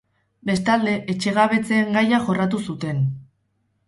Bestalde, etxegabetzeen gaia jorratu zuten.